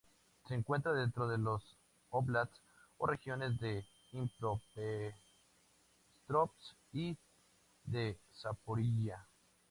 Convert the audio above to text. Se encuentra dentro de los óblasts o regiones de Dnipropetrovsk y de Zaporiyia.